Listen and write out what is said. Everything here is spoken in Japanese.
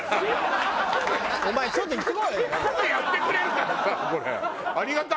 「お前ちょっと行ってこい！」。